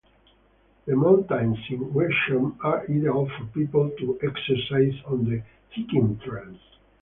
The mountains in Wenshan are ideal for people to exercise on the hiking trails.